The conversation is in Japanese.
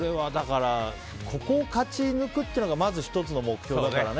ここを勝ち抜くというのがまず１つの目標だからね。